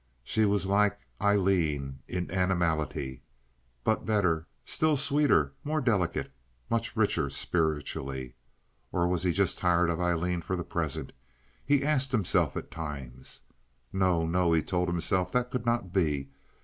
She was like Aileen in animality, but better, still sweeter, more delicate, much richer spiritually. Or was he just tired of Aileen for the present, he asked himself at times. No, no, he told himself that could not be.